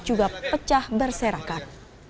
juga pecah berserakat